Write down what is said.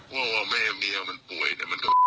ว่าแม่เมียมันป่วยแต่มันก็